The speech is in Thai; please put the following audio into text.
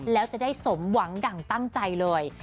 แล้วจะได้สมหวังดั่งตั้งใจเลย